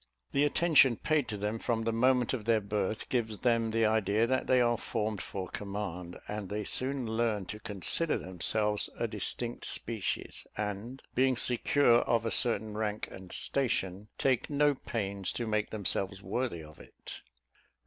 The attention paid to them from the moment of their birth, gives them the idea that they are formed for command, and they soon learn to consider themselves a distinct species: and, being secure of a certain rank and station, take no pains to makes themselves worthy of it.